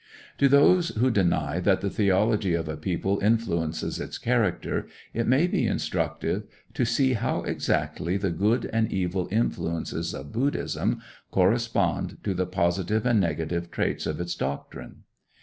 To those who deny that the theology of a people influences its character, it may be instructive to see how exactly the good and evil influences of Buddhism correspond to the positive and negative traits of its doctrine.